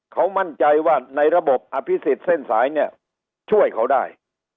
เขามั่นใจว่าในระบบอภิษฎเส้นสายเนี่ยช่วยเขาได้